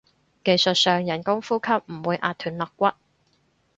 技術上人工呼吸唔會壓斷肋骨